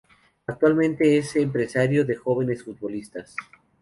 Actualmente es empresario de jóvenes futbolistas.